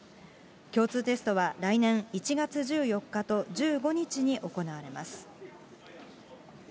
共通テストは来年１月１４日と１５日に行われます。